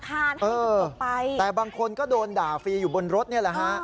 แต่บางคนก็โดนด่าฟรีอยู่บนรถนี่แหละฮะ